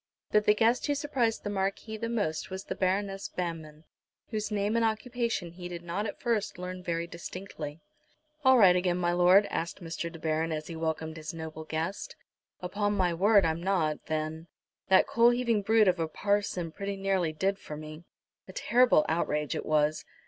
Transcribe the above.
But the guest who surprised the Marquis the most, was the Baroness Banmann, whose name and occupation he did not at first learn very distinctly. "All right again, my lord?" asked Mr. De Baron, as he welcomed his noble guest. "Upon my word I'm not, then. That coal heaving brute of a parson pretty nearly did for me." "A terrible outrage it was."